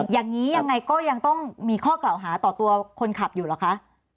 อย่างนี้ยังไงก็ยังต้องมีข้อกล่าวหาต่อตัวคนขับอยู่เหรอคะ